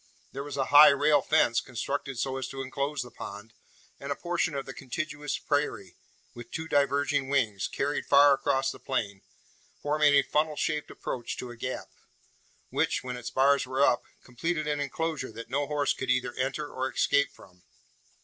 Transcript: There was a high rail fence constructed so as to enclose the pond, and a portion of the contiguous prairie, with two diverging wings, carried far across the plain, forming a funnel shaped approach to a gap; which, when its bars were up, completed an enclosure that no horse could either enter or escape from.